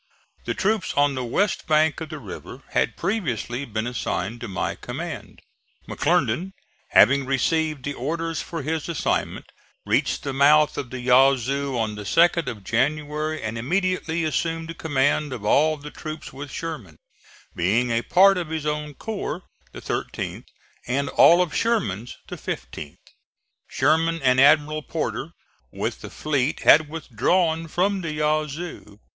The troops on the west bank of the river had previously been assigned to my command. McClernand having received the orders for his assignment reached the mouth of the Yazoo on the 2d of January, and immediately assumed command of all the troops with Sherman, being a part of his own corps, the 13th, and all of Sherman's, the 15th. Sherman, and Admiral Porter with the fleet, had withdrawn from the Yazoo.